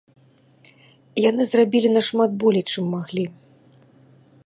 Яны зрабілі нашмат болей, чым маглі.